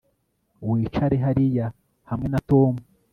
Wicare hariya hamwe na Tom